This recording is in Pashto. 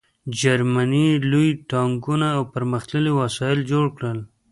جرمني لوی ټانکونه او پرمختللي وسایل جوړ کړل